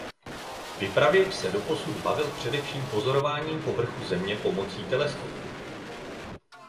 Vypravěč se doposud bavil především pozorováním povrchu Země pomocí teleskopu.